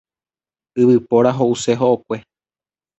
Yvypóra ho'use ho'okue.